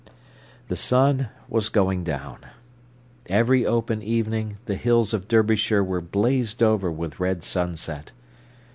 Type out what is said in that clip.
The sun was going down. Every open evening, the hills of Derbyshire were blazed over with red sunset.